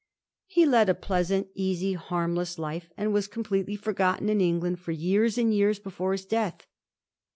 He led a pleasant, easy, harmless life, and was completely forgotten in England for years and years before his death.